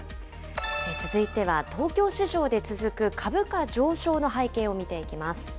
続いては東京市場で続く、株価上昇の背景を見ていきます。